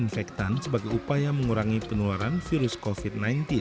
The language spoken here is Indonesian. infektan sebagai upaya mengurangi penularan virus covid sembilan belas